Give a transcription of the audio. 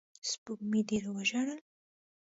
سپوږمۍ ډېر وژړل